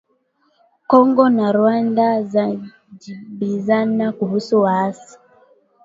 Kongo na Rwanda zajibizana kuhusu waasi